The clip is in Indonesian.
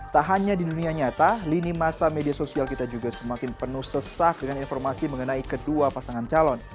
tak hanya di dunia nyata lini masa media sosial kita juga semakin penuh sesak dengan informasi mengenai kedua pasangan calon